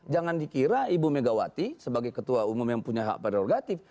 jangan dikira ibu megawati sebagai ketua umum yang punya hak pada orgatif